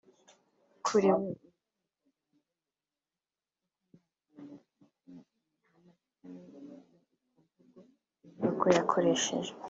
Kuri we urukiko rwamurenganura kuko nta kimenyetso na kimwe kimuhama nk’inyandikomvugo avuga ko yakoreshejwe